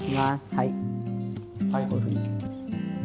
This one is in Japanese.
はい。